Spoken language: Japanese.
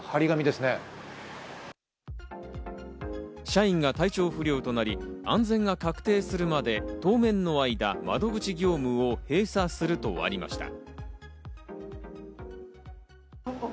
社員が体調不良となり、安全が確定するまで当面の間、窓口業務を閉鎖するとありました。